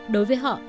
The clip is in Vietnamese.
đối với họ